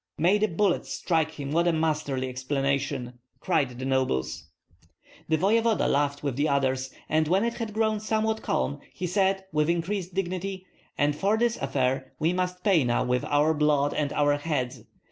"May the bullets strike him, what a masterly explanation!" cried the nobles. The voevoda laughed with the others, and when it had grown somewhat calm he said, with increased dignity: "And for this affair we must pay now with our blood and our heads.